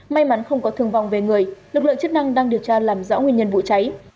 may mắn không có thương vong về người lực lượng chức năng đang điều tra làm rõ nguyên nhân vụ cháy